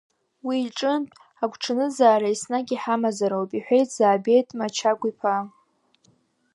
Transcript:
Уи иҿынтә, агәҽанызаара, еснагь иҳамазароуп, — иҳәеит Заабеҭ Мачагәа-иԥа.